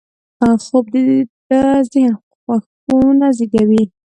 خوب د ذهن خوښونه زېږوي